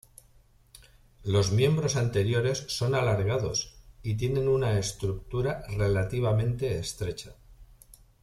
Los miembros anteriores son alargados y tienen una estructura relativamente estrecha.